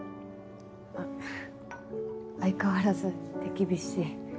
あっ相変わらず手厳しい。